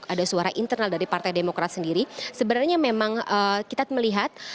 ada suara internal dari partai demokrat sendiri sebenarnya memang kita melihat